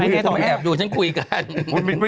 ดูว่าจากคุณอยู่ตรงนี้เขาก็เลยไม่รับ